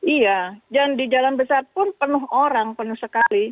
iya di jalan besar pun penuh orang penuh sekali